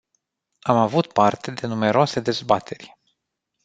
Am avut parte de numeroase dezbateri.